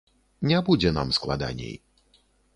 Не будзе нам складаней.